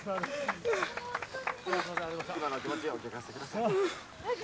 今のお気持ちをお聞かせください。